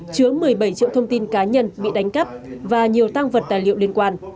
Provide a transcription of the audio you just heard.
chứa một mươi bảy triệu thông tin cá nhân bị đánh cắp và nhiều tăng vật tài liệu liên quan